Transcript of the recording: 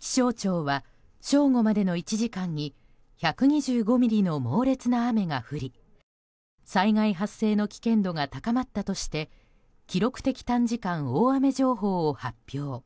気象庁は正午までの１時間に１２５ミリの猛烈な雨が降り災害発生の危険度が高まったとして記録的短時間大雨情報を発表。